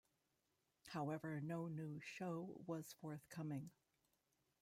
However, no new show was forthcoming.